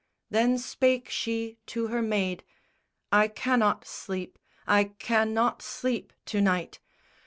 Then spake she to her maid "I cannot sleep, I cannot sleep to night.